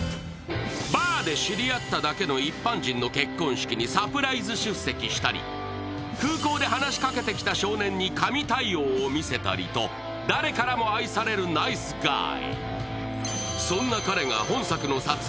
バーで知り合っただけの一般人の結婚式にサプライズ出席したり、空港で話しかけてきた少年に神対応を見せたりと誰からも愛されるナイスガイ。